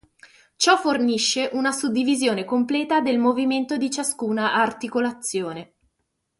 Ciò fornisce una suddivisione completa del movimento di ciascuna articolazione.